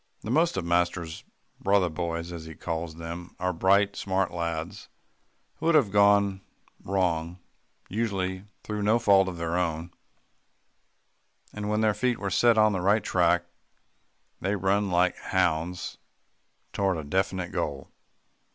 The most of master's "brother boys," as he calls them, are bright, smart lads who have gone wrong, usually through no fault of their own, and when their feet are set on a right track, they run like hounds toward a definite goal.